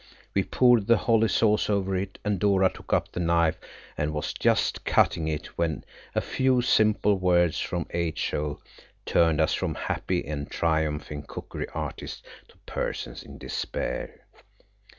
We poured the holly sauce over it, and Dora took up the knife and was just cutting it when a few simple words from H.O. turned us from happy and triumphing cookery artists to persons in despair.